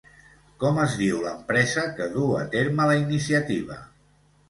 Com es diu l'empresa que duu a terme la iniciativa?